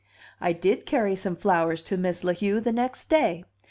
I did carry some flowers to Miss La Heu the next day.